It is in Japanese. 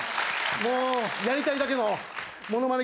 もうやりたいだけのモノマネ